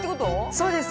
そうです。